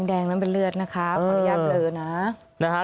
แดงนั้นเป็นเลือดนะครับพอยับเลยนะ